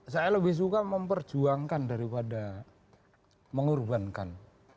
saya lebih suka memperjuangkan daripada mengorbankan